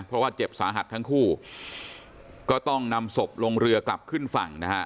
เพราะว่าเจ็บสาหัสทั้งคู่ก็ต้องนำศพลงเรือกลับขึ้นฝั่งนะฮะ